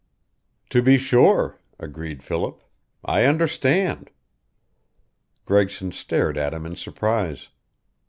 "To be sure," agreed Philip. "I understand." Gregson stared at him in surprise.